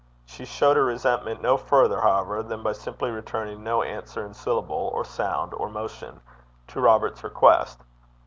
She showed her resentment no further, however, than by simply returning no answer in syllable, or sound, or motion, to Robert's request.